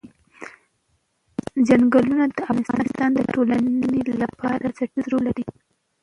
چنګلونه د افغانستان د ټولنې لپاره بنسټيز رول لري.